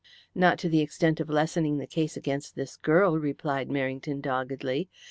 "Not to the extent of lessening the strength of the case against this girl," replied Merrington doggedly.